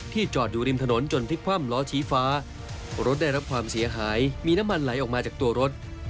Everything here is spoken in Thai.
จอดอยู่ริมถนนจนพลิกคว่ำล้อชี้ฟ้ารถได้รับความเสียหายมีน้ำมันไหลออกมาจากตัวรถ